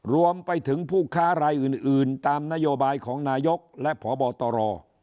รวมไปถึงผู้ค้ารายอื่นตามนโยบายของนายกและพบตร